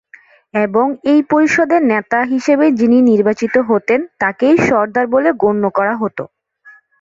এবং এই পরিষদের নেতা হিসেবে যিনি নির্বাচিত হতেন, তাকেই সরদার বলে গণ্য করা হতো।